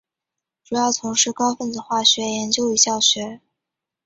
主要从事高分子化学研究与教学。